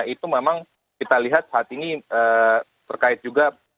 itu memang kita lihat saat ini terkait juga